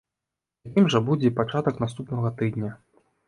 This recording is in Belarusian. Такім жа будзе і пачатак наступнага тыдня.